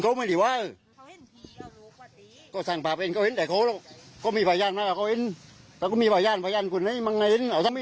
ผมวิ่งกันแล้วไม่แปลกมากนะครับผม